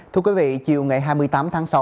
thưa quý vị chiều ngày hai mươi tám tháng sáu